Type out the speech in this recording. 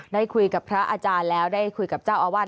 ได้คุยกับพระอาจารย์แล้วได้คุยกับเจ้าอาวาส